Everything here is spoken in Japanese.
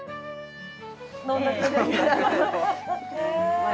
飲んだくれ？